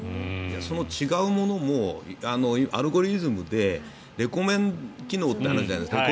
その違うものもアルゴリズムでレコメンド機能ってあるじゃないですか。